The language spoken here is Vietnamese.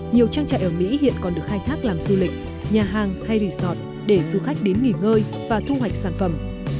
nhiều trang trại ở mỹ hiện còn được khai thác làm du lịch nhà hàng hay resort để du khách đến nghỉ ngơi và thu hoạch sản phẩm